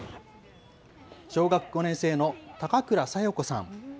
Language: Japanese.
小学５年生の高倉咲代子さん。